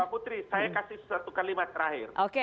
pak putri pak putri saya kasih satu kalimat terakhir